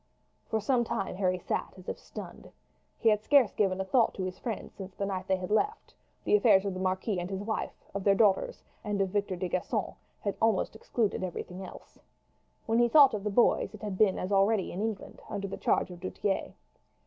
For some time Harry sat as if stunned. He had scarce given a thought to his friends since that night they had left, the affairs of the marquis and his wife, of their daughters, and of Victor de Gisons, almost excluding everything else. When he thought of the boys it had been as already in England, under the charge of du Tillet.